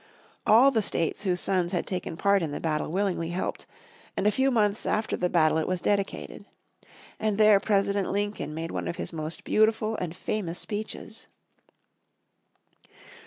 All the states whose sons had taken part in the battle willingly helped, and a few months after the battle it was dedicated. And there President Lincoln made one of his most beautiful and famous speeches.